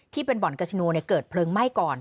ที่เป็นบ่อนกาชโนเกิดเพลิงไหม้ก่อน